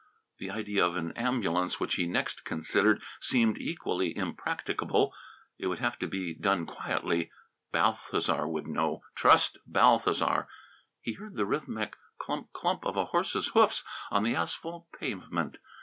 The idea of an ambulance, which he next considered, seemed equally impracticable. It would have to be done quietly; Balthasar would know. Trust Balthasar! He heard the rhythmic clump clump of a horse's hoofs on the asphalt pavement.